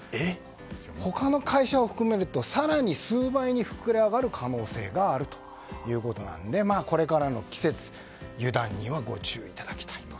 他の会社を含めると更に数倍に膨れ上がる可能性があるということなのでこれからの季節湯断にはご注意いただきたいと。